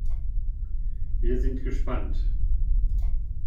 Wir sind gespannt.